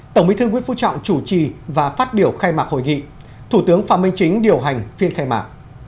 tổng bí thư nguyễn phú trọng chủ trì và phát biểu khai mạc hội nghị thủ tướng phạm minh chính điều hành phiên khai mạc